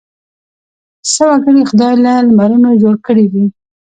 څه وګړي خدای له لمرونو جوړ کړي وي.